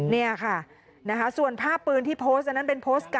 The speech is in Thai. นี่ค่ะส่วนภาพปืนที่โพสต์อันนั้นเป็นโพสต์เก่า